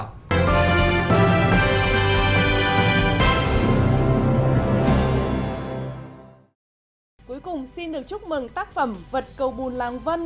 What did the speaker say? cuối cùng xin được chúc mừng tác phẩm vật cầu bùn làng vân